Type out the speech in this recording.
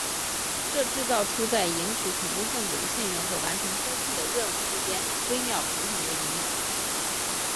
这制造出在赢取恐怖份子的信任和完成分配的任务之间微妙平衡的一幕。